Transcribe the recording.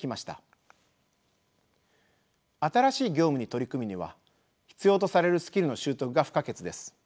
新しい業務に取り組むには必要とされるスキルの習得が不可欠です。